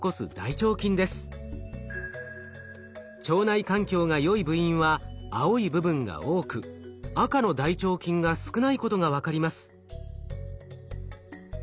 腸内環境がよい部員は青い部分が多く赤の大腸菌が少ないことが分かります。